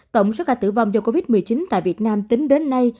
tổng số ca tử vong do covid một mươi chín tại việt nam tính đến nay